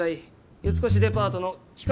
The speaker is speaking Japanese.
四越デパートの企画